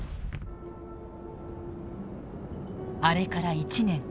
あれから１年。